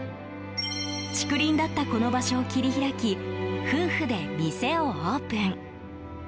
竹林だったこの場所を切り開き夫婦で店をオープン。